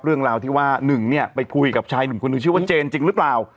เรื่องราวที่ว่า๑ไปคุยกับชายหนึ่งคนนึงชื่อว่าเจนจริงหรือเปล่า